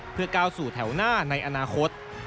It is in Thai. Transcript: เพื่อก้าวสู่แถวหน้าในอนาคต